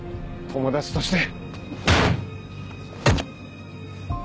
友達として。